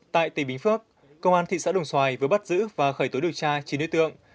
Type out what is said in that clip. tại tỉnh bình phước công an thị xã đồng xoài vừa bắt giữ và khởi tối điều tra chín đối tượng